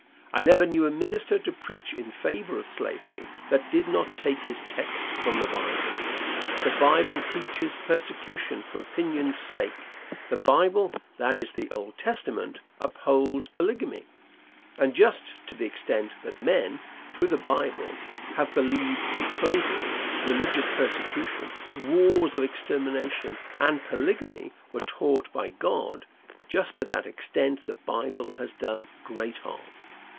I never knew a minister to preach in favor of slavery that did not take his text from the Bible. The Bible teaches persecution for opinion's sake. The Bible that is the Old Testament upholds polygamy, and just to the extent that men, through the Bible, have believed that slavery, religious persecution, wars of extermination and polygamy were taught by God, just to that extent the Bible has done great harm.